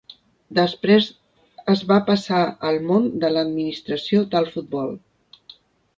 Després es va passar al món de l'administració del futbol.